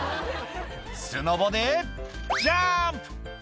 「スノボでジャンプ！」